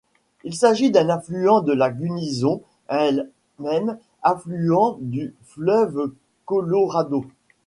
Il s'agit d'un affluent de la Gunnison, elle-même affluent du fleuve Colorado.